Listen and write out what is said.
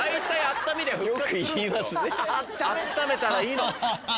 あっためたらいいの。